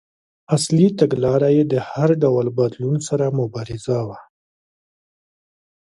اصلي تګلاره یې د هر ډول بدلون سره مبارزه وه.